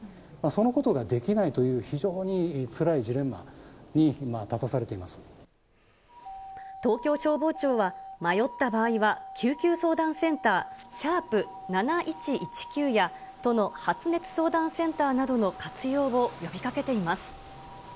そのことができないという非常につらいジレンマに今、立たされて東京消防庁は、迷った場合は救急相談センター、♯７１１９や、都の発熱相談センターなどの活用を呼びかけています。